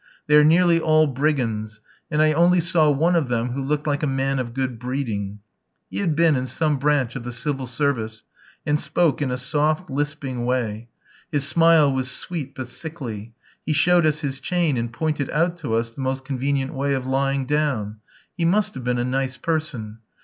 They are nearly all brigands, and I only saw one of them who looked like a man of good breeding; he had been in some branch of the Civil Service, and spoke in a soft, lisping way; his smile was sweet but sickly; he showed us his chain, and pointed out to us the most convenient way of lying down. He must have been a nice person!